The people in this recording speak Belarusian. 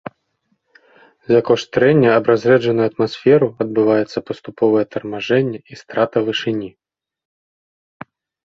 За кошт трэння аб разрэджаную атмасферу адбываецца паступовае тармажэнне і страта вышыні.